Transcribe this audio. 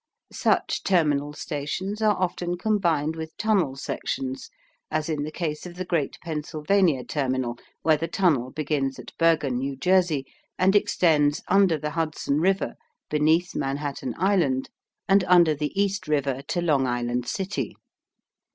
Such terminal stations are often combined with tunnel sections, as in the case of the great Pennsylvania terminal, where the tunnel begins at Bergen, New Jersey, and extends under the Hudson River, beneath Manhattan Island and under the East River to Long Island City.